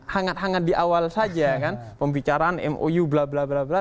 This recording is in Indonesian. hangat hangat di awal saja kan pembicaraan mou bla bla bla bla